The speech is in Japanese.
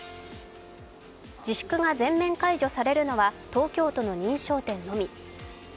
自粛が全面解除されるのは東京都の認証店のみ。